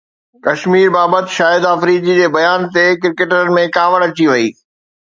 ڪشمير بابت شاهد آفريدي جي بيان تي ڪرڪيٽرن ۾ ڪاوڙ اچي وئي